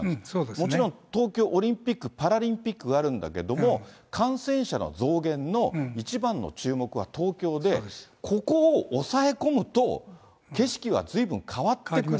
もちろん東京オリンピック・パラリンピックがあるんだけれども、感染者の増減の一番の注目は東京で、ここを抑え込むと景色はずいぶん変わってくる。